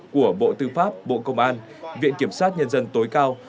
của bộ tư pháp bộ công an viện kiểm sát nhân dân tối cao